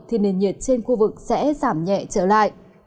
thì nền nhiệt trên khu vực sẽ giảm nhẹ trở lại